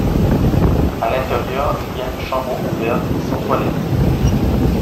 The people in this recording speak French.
À l'intérieur, il y a une chambre ouverte, sans toilettes.